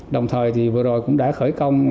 đồng thời vừa rồi cũng đã khởi công